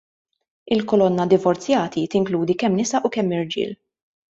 Il-kolonna " Divorzjati " tinkludi kemm nisa u kemm irġiel.